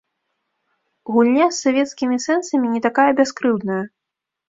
Гульня з савецкімі сэнсамі не такая бяскрыўдная.